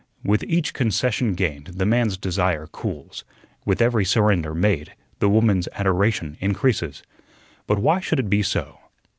With each concession gained the man's desire cools; with every surrender made the woman's adoration increases. But why should it be so?